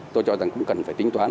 tôi cho rằng cũng cần phải tính toán